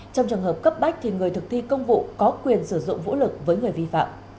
trong trường hợp cấp bách thì người thực thi công vụ có quyền sử dụng vũ lực với người vi phạm